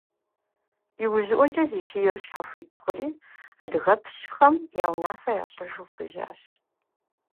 Иужьыӏуэкӏэ Зихиер щхьэхуит хъури, адыгэпщхэм я унафэ ящӏыжу хуежьащ.